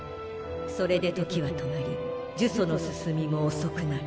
それで時は止まり呪詛の進みも遅くなる。